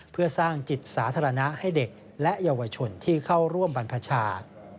เพื่อสร้างจิตสาธารณะให้เด็กและเยาวชนที่เข้าร่วมบรรพชา